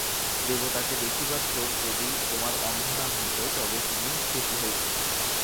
দেবতাকে দেখিবার চোখ যদি তোমার অন্ধ না হইত তবে তুমি খুশি হইতে।